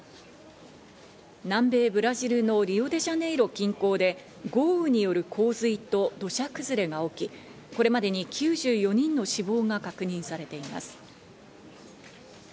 南米ブラジルのリオデジャネイロ近郊で豪雨による洪水と土砂崩れが起き、これまでに９４人の死亡が確認されています。